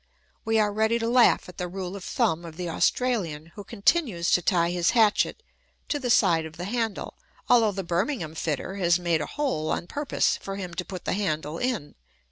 We are ready to laugh at the rule of thumb of the AustraHan, who continues to tie his hat chet to the side of the handle, although the Birmingham fitter has made a hole on purpose for him to put the handle in.